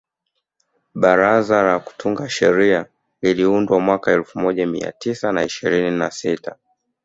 Baraza la kutunga sheria liliundwa mwaka elfu moja mia tisa na ishirini na sita